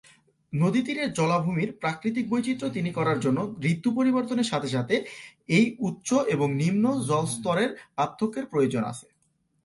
নদী তীরের জলাভূমির প্রাকৃতিক বৈচিত্র্য তৈরি করার জন্য ঋতু পরিবর্তনের সাথে সাথে এই উচ্চ এবং নিম্ন জল-স্তরের পার্থক্যের প্রয়োজন আছে।